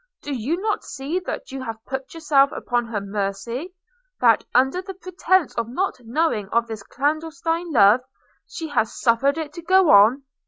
Do you not see that you have put yourself upon her mercy? that, under the pretence of not knowing of this clandestine love, she has suffered it to go on?